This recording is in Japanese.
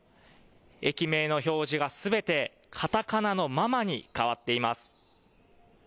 駅名の表示がすべてカタカナのママに変わっています。